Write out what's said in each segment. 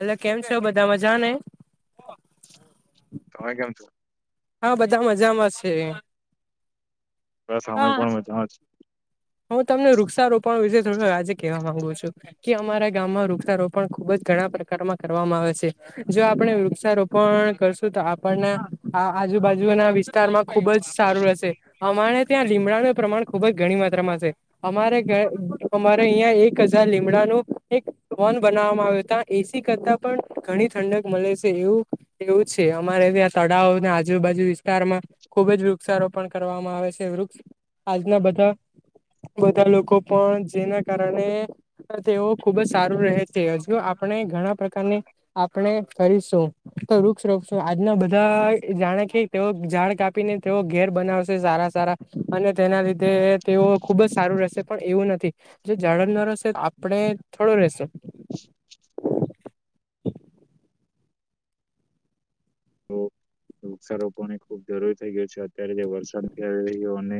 હલે કેમ છ બધા મજા ને તમે કેમ છો હા બધા મજામાં છે બ સમય હા પણ મજા જ હું તમને વૃક્ષારોપણો વિશે થોડું આજે કેવા માંગુ છું કે અમારા ગામમાં વૃક્ષારોપણ ખુબ જ ઘણા પ્રકારમાં કરવામાં આવે છે જો આપણે વૃક્ષારોપણ કરશું તો પણ આ આજુબાજુ ના વિસ્તારમાં ખુબ જ સારું રહેશે અમારે ત્યાં લીમડાનું પ્રમાણ ખુબ જ ઘણી માત્રામાં છે અમારે અમારે અહીં એક હજાર લીમડા બનાવામાં આવ્યો ત્યા એસી કરતા પણ ઘણી ઠંડક મળે છે એવું એવું છે અમારે ત્યાં તળાવો ના આજુબાજુ વિસ્તારમાં ખુબ જ વૃક્ષારોપણ કરવામાં આવે છેૃ આજના બધા બધા લોકો પણ જેના કારણે તેઓ ખુબ જ સારું રહે છે હજુ આપણે ઘણા આપણે કરીશું તો વૃક્ષ રોશું આજના બધા જાણે કે તેઓ ઝાડ કાપી ને તેઓ ઘેર બનાવશે સારા સારા અને તેના લીધે તેઓ ખુબ જ સારું રહેશે પણ એવું નથી જે ઝડર ન રહેશે આપણે થોડો રહેશેો [unintelligible] તો [inaudible] વૃક્ષારોપણ પણ ખુબ જરૂરી થઈ ગયો છે, અત્યારે જે વરસાદ નથી થઈ રહ્યો અને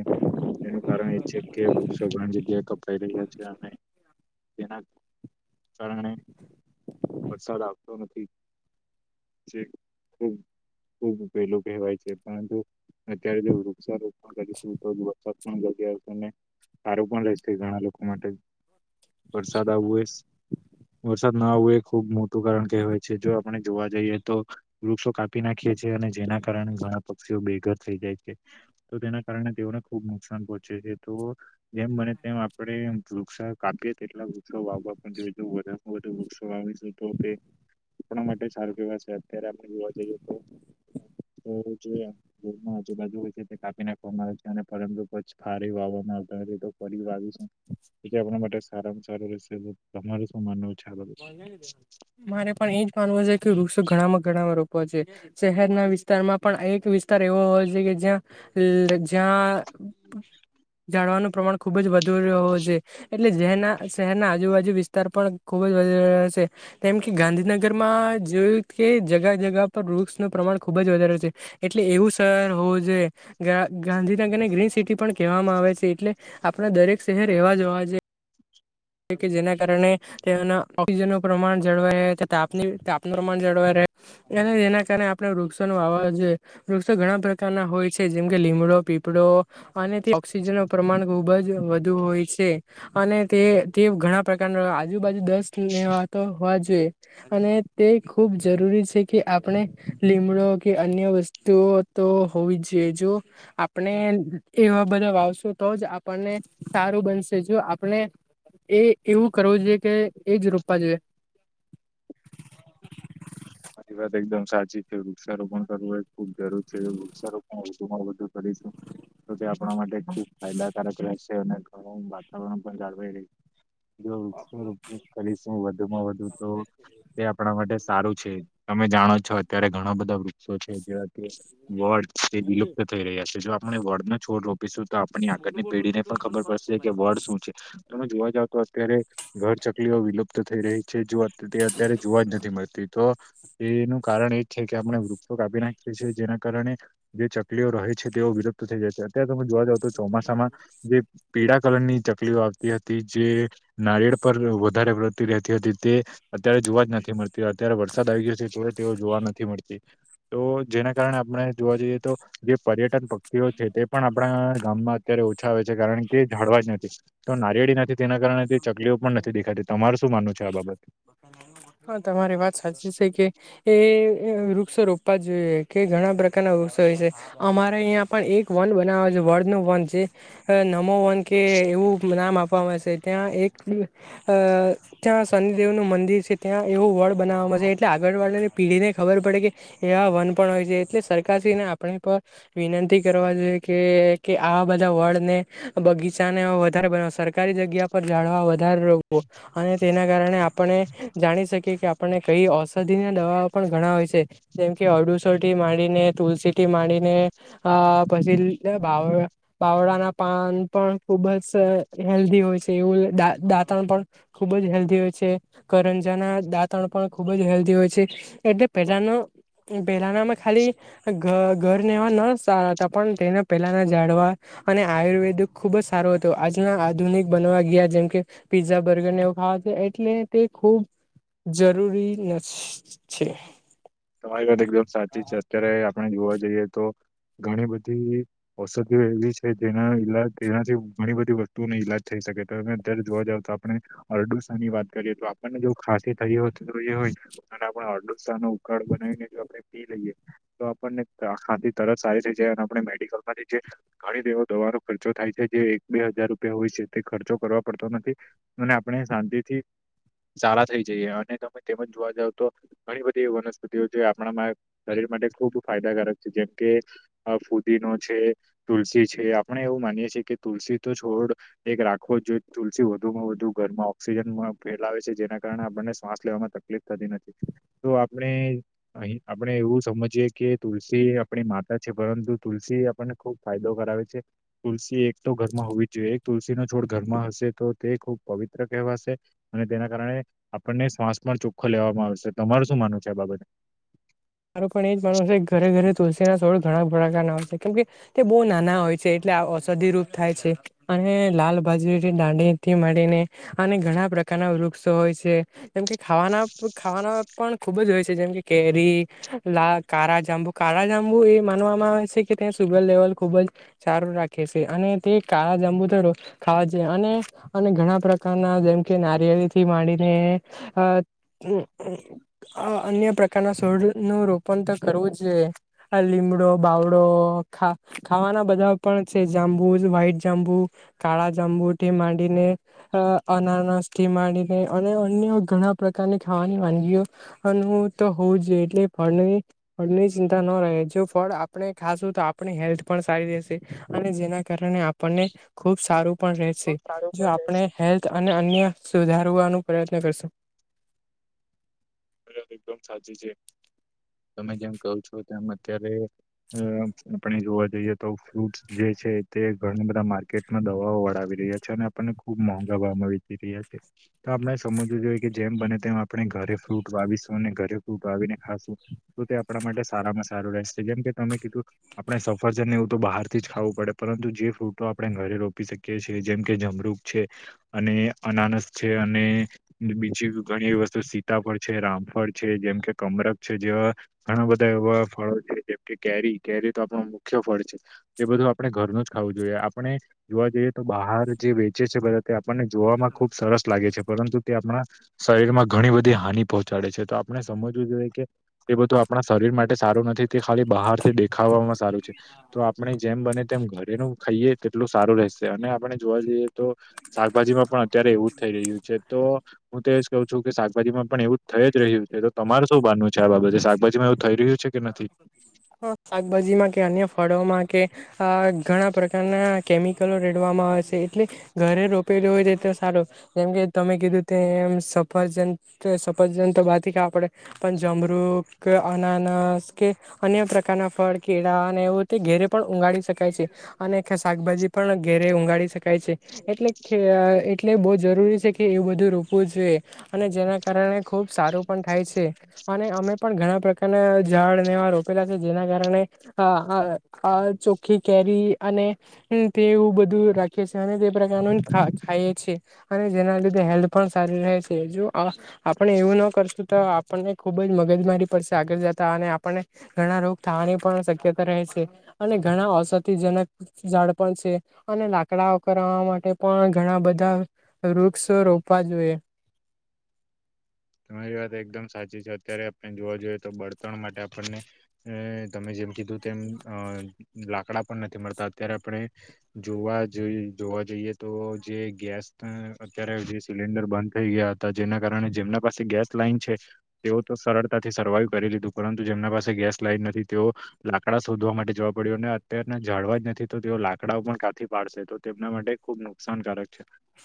એનું કારણે છે કે વૃક્ષો ઘણી જગ્યાએ કપાઈ રહ્યા છે, અને તેના કારણે વરસાદ આવતો નથી જે ખ ખુબ પેલું કહેવાય છે પરંતુ અત્યારે જો વૃક્ષારો તો વરસાદ પણ આવશેને સારું પણ લશે ઘણા લોકો માટે વરસાદ આવવું એ વરસાદ ના આવવું એ ખુબ મોટું કારણ કહેવાય છે જો આપણે જોવા જઈએ તો વૃક્ષો કાપી નાખીએ છે અને જેના કારણે ઘણા પક્ષીઓ બેઘર થઈ જાય છે તો તેના કારણે તેઓ ખુબ નુકસાન પહોંચે છે તો જેમ બને તેમ આપણે નુકસાન કાપીએ તેટલા વા પણ જોઈ વધમાં વધુ વૃક્ષોીશું તો તે આપણા માટે સારું કેવા છે અરામાં જોવા જઈએ તો તો જે જેરમાં આજુબાજુ હોય છે, તે કાપી નાખવામાં આવે છે, અને પરંતુ કછ ફારી વાનું [unintelligible] આપણા માટે સારામાં સારું રહેશે તમારે શું માનવું છે? આ બાબતે મારે પણ એજ માનવું છે, કે વૃક્ષ ઘણા ઘણા રોપવા જોય, શહેરના વિસ્તારમાં પણ એક વિસ્તાર એવો હોય કે જ્યાં જ્યાં જાડવાનું પ્રમાણ ખુબ જ વધે દૂર રહો છે, એટલે જેરના શહેરના આજુબાજુ વિસ્તાર પણ ખુબ જ વધ રહ છે, તેમમ કે ગાંધીનગરમાં જોયું કે જગા જગા પર વૃક્ષ નુ પ્રમા માણ ખુબ જ વધારે છે, એટલે એવું શહેર હોવું જોઈએ ગાંધીનગરને ગ્રીન સિટી પણ કહેવામાં આવે છે, એટલે આપણા દરેક શહેર એવા જોવા જએ કે જેના કારણે તેના ઓક્સિજનનું પ્રમાણ જળવાયા તાપની તાપનું પ્રમાણ જળવાય રહે અને એના કારણે આપણેે વૃક્ષો નો આવવા જોઈએ વૃક્ષો ઘણા પ્રકારના હોય છે, જેમકે લીમડો, પીપળો, અને તે ઓક્સિજન નું પ્રમાણ ખુબ જ વધુ હોય છે, અને તે તે ઘણા પ્રકારના આજુબાજુ દસ લેવાતો હોવા જોઈએ અને તે ખૂબ જરૂ રી છે કે આપણે લીમડો કે અન્ય વસ્તુઓ તો હોવી જ જોઈએ જો આ પણે એવા બધા વાવશું તો જ આપણને સારું બનશે જો આપણે એ એવું કરવું જોઈએ કે એજ રોપા જોઈએ. [inaudible] તમારી વાત એકદમ સાચી છે. વૃક્ષારોપ પણ કરવો એ ખુબ જરૂર છે. વૃક્ષા રોપણ વધુમાં વધુ કરી તો તે આપણા માટે ખુબ ફાયદાકારક રહેશે અને ઘણું વાતાવરણ પણ જાળવાઈ રે. જો વૃક્ષારોપણ કરીશું વધુમાં વધુ તો તે આપણા માટે સારું છે. તમે જાણો છો અત્યારે ઘણા બધા વૃક્ષો છે, જેવા કે વડ તે વીલુપ્ત થઈ રહ્યા છે, જો આપ ણે વડ નો છોડ રો પીશું તો આપણી આગળની પેઢી ને પણ ખબર પડશે કે વડ શું છે, તોમે જોવા જાવ તો અત્યારે ઘર ચકલીઓ વિલુપ્ત થઈ રહી છે, જોત તે અત્યારે જોવા જ નથી મળતી. તો એનું કારણ એ છે, કે આપણે વૃક્ષો કાપી નાખીએ છીએ જેના કારણે જે ચકલીઓ રહે છે, તેઓ વિલુપ્ત થઈ જાય છે. અત્યારે તમે જોવા જાવ તો ચોમાસામાં જે પીડા કલર ની ચકલીઓ આવતી હતી જે નારિયળ પર વધારે વતી રહેતી હતી તે અત્યારે જોવા જ નથી મળતી. અત્યારે વરસાદ આવી ગયો [unintelligible] જોવા નથી મળતી તો જેના કારણે આપણે જોવા જઈએ તો જે પર્યટન [unintelligible] છે તે પણ આપણા ગામમાં અત્યારે ઓછા આવે છે, કારણ કે ઝાડવા જ નથી તો નારિયેળી નથી તેના કારણે ચકલીઓ પણ નથી દેખાતી. તમાર શું માનવું છે આ બાબતે? હા તમારી વાત સાચી છે. કે એ વૃક્ષો રોપવા જોઈએ કે ઘણા પ્રકારના વૃક્ષો હોય છે, અમારે આયા પણ એક વન બનાવા છે, વડ નું વન જે નમો વન કે એવું નામ આપવા આવે છે. ત્યાં એક અ ત્યાં શનિદેવ નું મંદિર છે, ત્યાં એવું વડ બનાવવામાં છે, એટલે આગળવાડીની પીઢી ને ખબર પડે કે એવા વન પણ હોય છે એટલે સરકારશ્રીને આપણે એક વાર વિનંતી કરવા જોઈએ કે આ બધા વડ ને બગીચાને વધારે બનવ સરકારી જગ્યા પર ઝાળવા વધારે રોપો અને તેના કારણે આપણે જાણી શકીએ કે આપણને કઈ ઔષધિ ને દવાઓ પણ ઘણા હોય છે જેમ કે ઔષધી થી માંડીને તુલસીથી માંડીને અ પછી બાવ બાવળાના પાન પણ ખુબ સા હેલ્ધી હોય છે. દા દાંતણ પણ ખુબ જ હેલ્ધી હોય છે કરંજના દાંતણ પણ ખુબ જ હેલ્ ધી હોય છે એટલે પહેલા પહેલાનામાં ખાલી ઘર ઘરને એવા [unintelligible] પણ તેના પહેલાના જાડવા અને આયુર્વેદ ખુબ જ સારું હતું આજના આધુનિક બનાવ ગયા જેમ કે પીઝા બર્ગર ને એવુ ખાવા એટલે તે ખૂબ જરૂરી નથી છે. તમારી વાત એકદમ સાચી છે. અત્યારે આપણે જોવા જઈએ તો ઘણી બધી ઔષધિઓ એવી છે, જેના ઈલા જેનાથી ઘણી બધી વસ્તુઓને ઈલાજ થઈ શકે અત્યારે જોવા જાવ તો આપણે અરડુસા ની વાત કરીએ તો આપણને જો ખાસી થઈ હોય અને આપણે અરડૂસાનો ઉકાળો બનાવીને જો આપણે પી લઈએ તો આપણને આ ખાંસી તરત સારી થઈ જાય અને આપણે મેડિકલ માંથી જે ઘણી એવો દવાનો ખર્ચો થાય છે, જે એક બે હજાર રૂપિયા હોય છે, તે ખર્ચો કરવા પડતો નથી. આપણે શાંતિ થી સારા થઈ જઈએ અને તમે તેમજ જોવા જાવ તો ઘણી બધી વનસ પતિ આપણા શરીર માટે ખૂબ ફાયદાકારક છે. જેમકે ફુદી નો છે. તુલસી છે આપણે એવું માનીયે છીએ કે તુલસી તો છોડ એક રાખવો જ જોઈએ તુલસી વધુમાં વધુ ઘર માં ઓક્સિજન ફેલાવે છે જેના કારણે આપણને શ્વાસ લેવામાં તકલીફ થતી નથી તો આપ આપણે. અહી આપણે એવું સમજીયે કે તુલસી આપણી માતા છે પરંતુ તુલસી આપણને ખુબ ફાયદો કા કરાવે છે તુલસી એક તો ઘરમાં હોવી જ જોઈએ એક તુલસી નો છોડ ઘરમાં હશે તો તે ખુબ પવિત્ર કહે વાસે અને તેના કારણે આપને શ્વાસ ચોખ્ખો લેવામાં આવશે તમારું શું માનવુ? છે બાબતે મારું પણ એ જ માનવું છે ઘરે ઘરે તુલસીના છોડ ઘણા પ્રકાર ના હોય છે કેમકે તે બહુ નાના હોય છે એટલે ઔષધિ રૂપ થાય છે અને લાલ બાજુથી દાંડીથી મળીને અને ઘણા પ્રકારના વૃક્ષો હોય છે જેમ કે ખાવાના ખાવાના પણ ખુબ જ હોય છે જેમ કે કેરી લા કારાજાંબુ કારા જાંબુ એ માનવામાં આવે છે કે ત્યાં સુગર લેવલ ખુબ જ સારું રાખે છે અને તે કાળા જંબુતો ખાવા છે અને અને ઘણા પ્રકારના જેમ કે નારિયળથી માંડી અમ્મ અન્ય પ્રકારના નું રોપણ તો કરવું જ આ લીમડો બાવડો ખા ખાવાના બધા પણ છે જાંબુ વ્હાઈટ જાંબુ કાળા જાંબુ તે માંડીને અ અનાનસ થી મંડી અને અન્ય ઘણા પ્રકારની ખાવાની વાનગીઓ તો હોવું જોઈએ એટલે ફળની ફળની ચિંતા ન રહે જો ફળ આપણે ખાશું તો આપણી હેલ્થ પણ સારી રહેશે અને જેના કારણે આપણને ખુબ સારું પણ રહેશે. ખુબ સારું જો પણ આપણે રહેશે હેલ્થ અને અન્ય સુધારવાનો પ્રયત્ન કરશો. [unintelligible] એકદમ સાચી છે. તમે જેમ કહો છો તેમ અત્યારે આપણે જોવા જઈએ તો ફ્રૂટસ જે છે તે ઘણી બધા માર્કેટમાં દવાઓ વળાવી રહ્યા છે અને આપણને ખુબ મોંઘા ભાવમાં વેચી રહ્યા છે. તો આપણે સમજવું જોઈએ કે જેમ બને તેમ આપણે ઘરે ફ્રૂટ વાાવીશું અને ઘરે ઉગવીને ખાશું તો તે આપણા માટે સારામાં સારું રહેશે જેમ કે તમે કીધું આપડણે સફર છે ને એવું તો બહાર થી જ ખાવું પડે પરંતુ જે ફ્રૂટો આપણે ઘરે રોપી શકીએ છીએ જેમ કે જમ છે અને અનાનસ છે અને બીજી ઘણી એ વસ્તુ સીતા ફળ છે રામફળ છે જેમ કે કમરક છે જેવા ઘણા બધા એવા ફળો છે જેમ કે કેરી કેરી તો આપ મુખ્ય ફળ છે એ બધું આપણે ઘરનું જ ખાવું જોઈએ આપણે જોવા જઈએ તો બહાર જે વેચે છે બધા તે આપણને જોવામાં ખુબ સરસ લાગે છે પરંતુ તે આપણા શરીર માં ઘણી બધી હાની પહોંચાડે છે તો આપણે સમજવું જોઈએ કે એ બધું આપણા શરીર માટે સારું નથી તે ખાલી બહાર થી દેખાવ સારું છે તો આપણે જેમ બને તેમ ઘરેનું ખાઈએ તેટલું સારું રહેશે ને આપણે જોવા જઈએ તો શાકભાજીમાં પણ અત્યારે એવું જ થઈ રહ્યું છે તો હું તો એજ કહું છું કે શાકભાજીમાં પણ એવું થઈ જ રહ્યું છે તો તમારે શું માનવું છે આ બાબતે શાકભાજીમાંવું થઈ રહ્યું છે કે નથી? હા શાકભાજીમાં કે અન્ય ફળોમાં કે આ ઘણા પ્રકારના કેમિકલો રેડવામાં આવે છે એટલે ઘરે રોપેલી હોય છે તો સારો જેમ કે તમે કીધું તે સફરજન સફરજન બા આપડે પણ જમરુ કે અના કે અન્ય પ્રકારના ફળ કેળા અને એવું તે ઘેરે પણ ઉગાડી શકાય છે અને શાકભાજી પણ ઘેરે ઉઊગાડી શકાય છે એટલે એટલે બહુ જરૂરી છે કે એ બધું રોપવું જોઈએ અને જેના કારણે ખુબ સારું પણ થાય છે અને અમે પણ ઘણા પ્રકાર ઝાડ નેવા રોપેલા છે જેના કારણે આ આ ચોખ્ખી કેરી અને તે તેવું બધું રાખે છે અને તે પ્રકારનું ખ ખાયી અને જેના લીધે હેલ્થ પણ જો આપણે એવું ના કરશું તો આપણને ખુબ જ મગજ મારી પડશે આગળ જતા અને આપને ઘણા રોગ થવાની પણ શક્યતા રહે છે અને ઘણા ઔષધિજનક ઝાડ પણ છે અને લાકડાઓ કરવા માટે પણ ઘણા બધા વૃક્ષો રોપવા જોઈએ. તમારી વાત એકદમ સાચી છે અત્યારે આપણે જોવા જોઈએ તો બળતણ માટે આપણને અમ્મ તમે જે જેમ કીધૂ તેમ લાકડા પણ નથી મળતા અત્યારે આપણે જોવા જઈ જોવા એ તો જે ગેસ અત્યારે જે સિલિન્ડર બંધ થઈ ગયા હતા જેના કારણે જેમના પાસે ગેસ લાઈન છે તેઓ તો સરળતાથી સર્વાઈવ કરી લીધું પરંતુ જેમના પાસે ગેસ લાઈન નથી તેઓ લાકડા શોધવા માટે જવા પડ્યું અનેને અત્યારના જાળવા જ નથી તો તેઓ લાકડાઓ પણ કાંથી પાડશે તો તેમના માટે ખબ નુકસાનકારક છે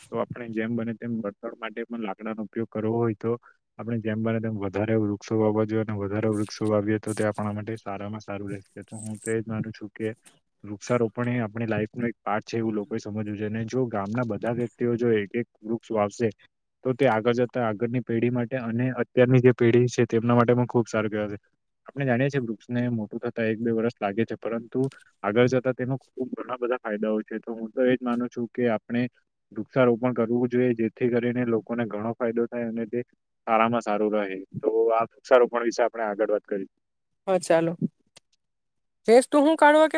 તો આપણે જેમ બને તેમ વળતર માટે પણ લાકડાનો ઉપયોગ કરવો હોય તો આપણે જેમ બને તેમ વધારે વૃક્ષો વાવવાજઈએ અને વધારે વૃક્ષો વાવીએ તો તે આપણા માટે સારામાં તો હું તોજ માનું છું કે વૃક્ષારોપણ એ આપણે લાઈફ ન એક પાર્ટ છે એવું લોકો સમ જો ગામના બધા વ્યક્તિઓ જો એક એક વૃક્ષ વાશે તો તે આગળ જતા આગળની પેઢી માટે અને અત્યારની જે પેઢી છે તેમના માટે પણ ખુબ સારું કહેવાશે આપણે જાણીએ છીએ વૃક્ષને મોટું થતા એક બે વર્ષ લાગે છે પરંતુ આગળ જતા તેનો ખબ ઘણા બધા ફાયદા છે તો હું તો એજ માનું છું કે આપણે વૃક્ષારોપણ કરવું જોઈએ જેથી કરીને લોકો મને ઘણો ફાયદો થાય સારામાં સારું રહે તો આ વૃક્ષારોપણ વિશે આપણે આગળ વાત કરી હા ચાલો ફેસું શું કાઢવા કે